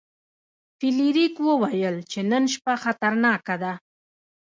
فلیریک وویل چې نن شپه خطرناکه ده.